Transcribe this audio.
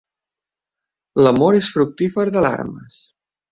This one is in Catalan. L'amor és fructífer d'alarmes